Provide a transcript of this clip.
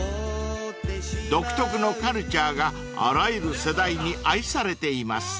［独特のカルチャーがあらゆる世代に愛されています］